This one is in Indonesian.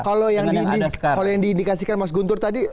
kalau yang diindikasikan mas guntur tadi